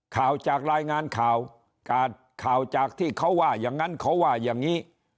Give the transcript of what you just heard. ข่าวจากรายงานข่าวข่าวจากที่เขาว่าอย่างนั้นเขาว่าอย่างนี้